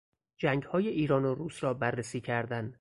جنگهای ایران و روس را بررسی کردن